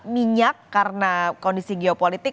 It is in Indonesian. minyak karena kondisi geopolitik